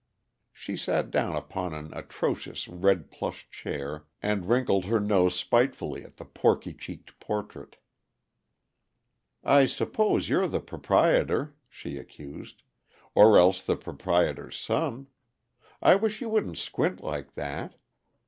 She sat down upon an atrocious red plush chair, and wrinkled her nose spitefully at the porky cheeked portrait. "I suppose you're the proprietor," she accused, "or else the proprietor's son. I wish you wouldn't squint like that.